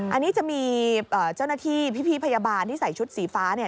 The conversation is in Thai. อันนี้จะมีเจ้าหน้าที่พี่พยาบาลที่ใส่ชุดสีฟ้าเนี่ย